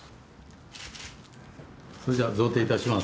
それでは贈呈いたします。